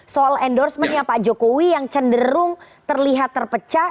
soal endorsement nya pak jokowi yang cenderung terlihat terpecah